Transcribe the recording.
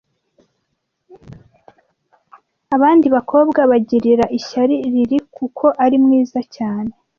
Abandi bakobwa bagirira ishyari Lily kuko ari mwiza cyane.